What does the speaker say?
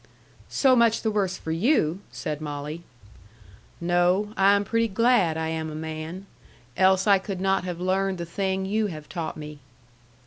"So much the worse for you!" said Molly. "No. I am pretty glad I am a man. Else I could not have learned the thing you have taught me."